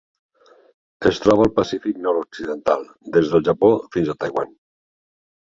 Es troba al Pacífic nord-occidental: des del Japó fins a Taiwan.